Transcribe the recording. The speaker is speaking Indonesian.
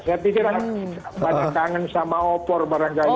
saya pikir banyak kangen sama opor barangkali